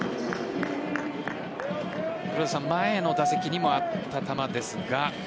前の打席にもあった球ですが。